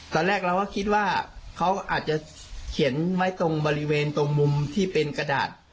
ตอนแรกเราก็คิดว่าเขาอาจจะเขียนไว้ตรงบริเวณตรงมุมที่เป็นกระดาษ